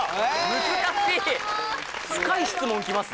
難しい！